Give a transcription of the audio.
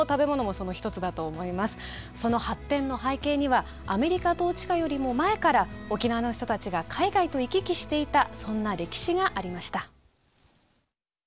その発展の背景にはアメリカ統治下よりも前から沖縄の人たちが海外と行き来していたそんな歴史がありました。